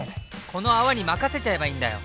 この泡に任せちゃえばいいんだよ！